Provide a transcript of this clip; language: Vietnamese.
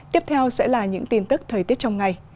tiếp theo sẽ là những tin tức thời tiết trong ngày